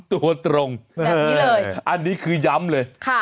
แบบนี้เลยอันนี้คือย้ำเลย